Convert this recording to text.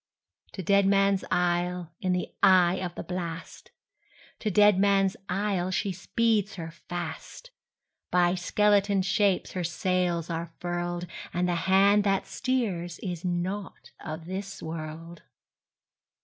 To Deadman's Isle, in the eye of the blast, To Deadman's Isle, she speeds her fast; By skeleton shapes her sails are furled, And the hand that steers is not of this world!